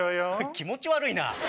気持ち悪いな！